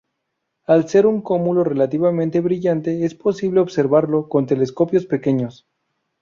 Al ser un cúmulo relativamente brillante, es posible observarlo con telescopios pequeños.